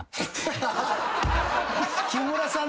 木村さん